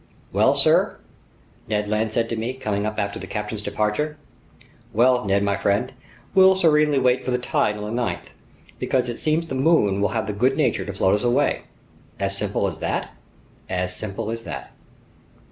"Well, sir?" Ned Land said to me, coming up after the captain's departure. "Well, Ned my friend, we'll serenely wait for the tide on the 9th, because it seems the moon will have the good nature to float us away!" "As simple as that?" "As simple as that."